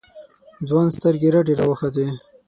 ځوان سترگې رډې راوختې.